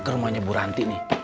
rumahnya bu ranti nih